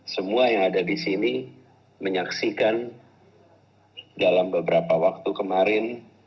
semua yang ada di sini menyaksikan dalam beberapa waktu kemarin